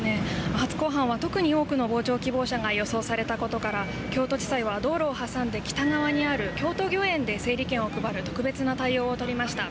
初公判は特に多くの傍聴希望者が予想されたことから京都地裁は道路を挟んで北側にある京都御苑で整理券を配る特別な対応を取りました。